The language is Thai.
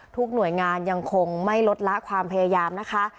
ทุกหน่วยงานยังคงไม่ลดละความพยายามนะคะ